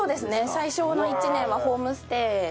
最初の１年はホームステイで。